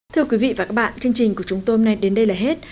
thưa quý vị và các bạn chương trình của chúng tôi hôm nay đến đây là hết